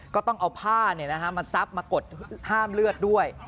ก็ต้องเอาผ้ามาซับมากดห้ามเลือดด้วย